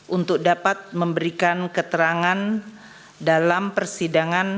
untuk dapat memberikan keterangan dalam persidangan